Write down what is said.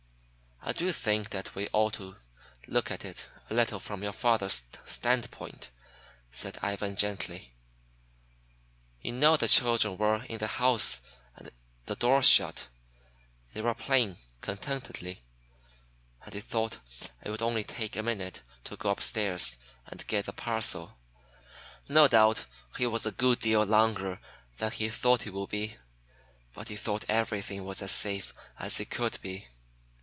"I do think that we ought to look at it a little from your father's standpoint," said Ivan gently. "You know the children were in the house and the door shut. They were playing contentedly, and he thought it would only take a minute to go upstairs and get the parcel. No doubt he was a good deal longer than he thought he would be, but he thought everything was as safe as it could be.